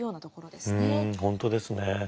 ふん本当ですね。